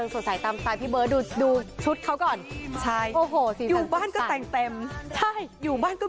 ขอให้พี่น้อยมีความสุขนะครับมีความสุขนะครับ